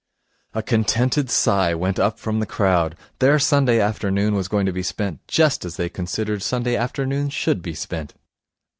A contented sigh went up from the crowd. Their Sunday afternoon was going to be spent just as they considered Sunday afternoons should be spent.